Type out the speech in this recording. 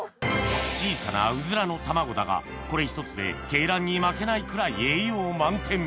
小さなうずらの卵だがこれ１つで鶏卵に負けないくらい栄養満点！